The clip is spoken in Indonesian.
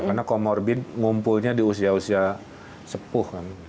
karena comorbid ngumpulnya di usia usia sepuh